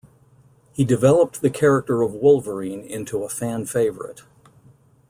He developed the character of Wolverine into a fan favorite.